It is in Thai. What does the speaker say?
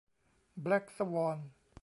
แบล็กสวอน